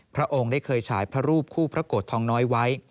พระองค์ได้เคยฉายพระรูปคู่พระโกรธทองน้อยไว้